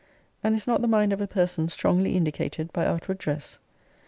And is not the mind of a person strongly indicated by outward dress?